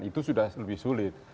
itu sudah lebih sulit